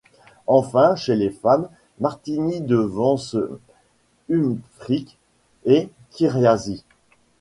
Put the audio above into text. Enfin chez les femmes, Martini devance Humphries et Kiriasis.